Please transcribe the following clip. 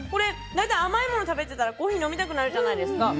甘いもの食べていたらコーヒー飲みたくなるじゃないですか。